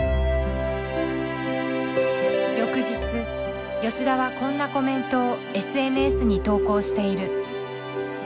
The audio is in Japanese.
翌日吉田はこんなコメントをＳＮＳに投稿している。